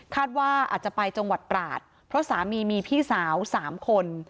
ว่าอาจจะไปจังหวัดตราดเพราะสามีมีพี่สาว๓คน